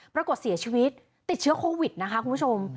ปรากฏเสียชีวิตติดเชื้อโควิดนะคะคุณผู้ชม